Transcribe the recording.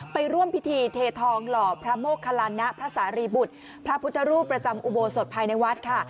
ไปร่วมพิธีเททองหล่อพระโมคลาณะพระสารีบุตรพระพุทธรูปประจำอุโบสถภายในวัดค่ะ